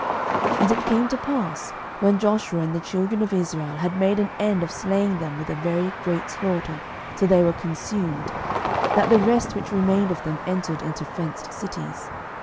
06:010:020 And it came to pass, when Joshua and the children of Israel had made an end of slaying them with a very great slaughter, till they were consumed, that the rest which remained of them entered into fenced cities.